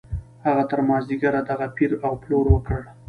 هغه تر مازديګره دغه پېر او پلور وکړ.